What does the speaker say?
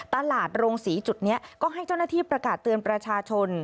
โรงศรีจุดนี้ก็ให้เจ้าหน้าที่ประกาศเตือนประชาชน